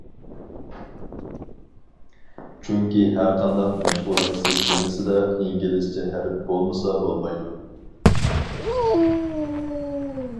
چۈنكى ھەرقانداق مەشغۇلات سىستېمىسىدا ئىنگلىزچە ھەرپ بولمىسا بولمايدۇ.